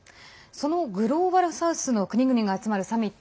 そのグローバル・サウスの国々が集まるサミット